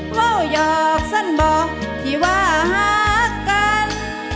ว่ายอกสั้นบอกที่ว่ากัน